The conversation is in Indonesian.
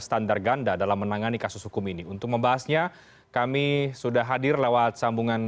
standar ganda dalam menangani kasus hukum ini untuk membahasnya kami sudah hadir lewat sambungan